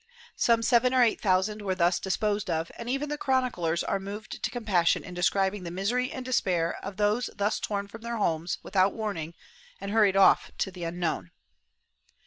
Some seven or eight thousand were thus disposed of, and even the chroniclers are moved to compassion in describing the misery and despair of those thus torn from their homes without warning and hurried off to the unknown.